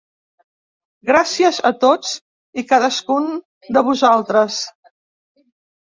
Gràcies a tots i cadascun de vosaltres.